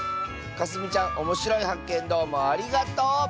かすみちゃんおもしろいはっけんどうもありがとう！